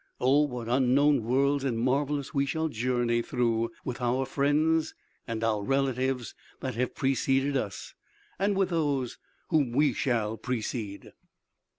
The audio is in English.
Oh, what unknown worlds and marvelous we shall journey through, with our friends and our relatives that have preceded us, and with those whom we shall precede!"